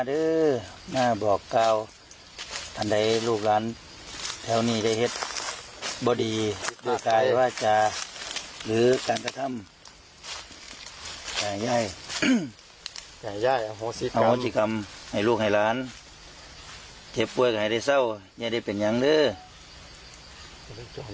เอาหัวซีกรรมให้ลูกให้ร้านเทพเว้ยก็ให้ได้เศร้ายังได้เป็นอย่างนึก